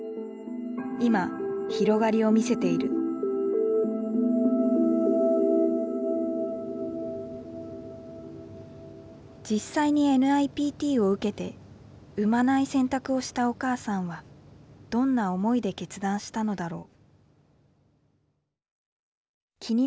今広がりを見せている実際にＮＩＰＴを受けて生まない選択をしたお母さんはどんな思いで決断したのだろう。